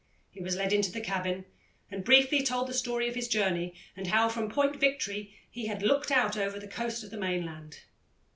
He was led into the cabin and briefly told the story of his journey, and how, from Point Victory, he had looked out over to the coast of the mainland.